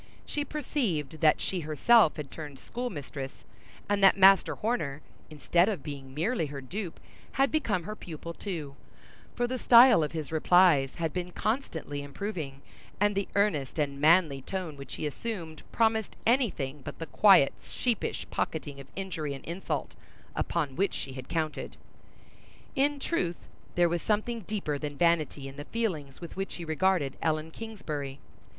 She perceived that she herself had turned schoolmistress, and that Master Horner, instead of being merely her dupe, had become her pupil too; for the style of his replies had been constantly improving and the earnest and manly tone which he assumed promised any thing but the quiet, sheepish pocketing of injury and insult, upon which she had counted. In truth, there was something deeper than vanity in the feelings with which he regarded Ellen Kingsbury.